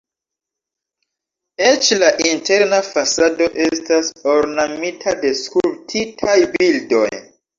Eĉ la interna fasado estas ornamita de skulptitaj bildoj.